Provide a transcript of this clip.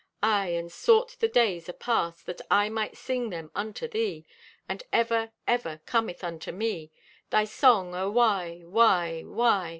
Aye, and sought the days apast, That I might sing them unto thee. And ever, ever, cometh unto me Thy song o' why? why? why?